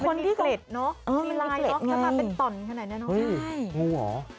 คนที่กลัวเนาะมีลายเนาะเข้ามาเป็นต่อนขนาดนี้เนาะ